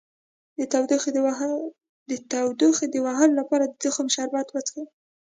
د تودوخې د وهلو لپاره د تخم شربت وڅښئ